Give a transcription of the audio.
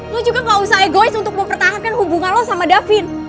lo juga gak usah egois untuk mempertahankan hubungan lo sama davin